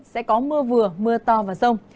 sẽ có mưa vừa mưa to và rông